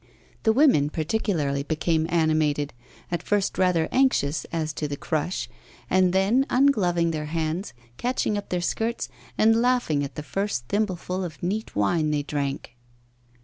The women particularly became animated, at first rather anxious as to the crush, and then ungloving their hands, catching up their skirts, and laughing at the first thimbleful of neat wine they drank.